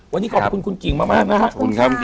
วันนี้ขอบคุณคุณกิ่งมากนะครับ